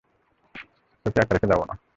তোকে একা রেখে যাবো না।